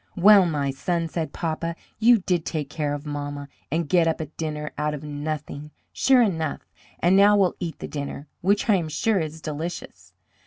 "Well, my son," said papa, "you did take care of mamma, and get up a dinner out of nothing, sure enough; and now we'll eat the dinner, which I am sure is delicious."